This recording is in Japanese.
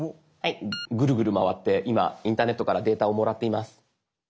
グルグル回って今インターネットからデータをもらっています。